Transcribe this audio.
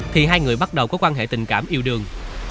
thì hai người bắt đầu có quan hệ tình cảm yêu đương